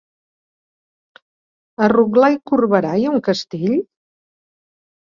A Rotglà i Corberà hi ha un castell?